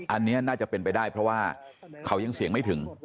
อันนี้น่าจะเป็นไปได้เพราะว่าเขายังเสียงไม่ถึง